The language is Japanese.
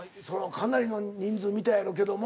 かなりの人数見たやろけども。